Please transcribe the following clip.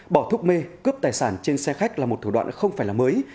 bỏ thuốc mê cướp tài sản trên xe khách là một thủ đoạn không phải là mới